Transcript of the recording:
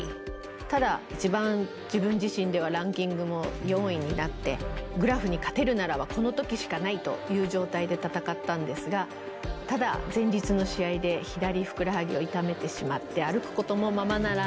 ただ一番自分自身ではランキングも４位になってグラフに勝てるならばこの時しかないという状態で戦ったんですがただ前日の試合で左ふくらはぎを痛めてしまって歩くこともままなら